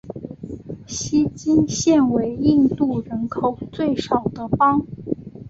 锡金现为印度人口最少的邦。